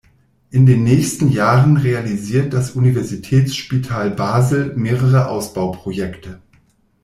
In den nächsten Jahren realisiert das Universitätsspital Basel mehrere Ausbau-Projekte.